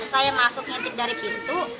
saya masuk nyetip dari pintu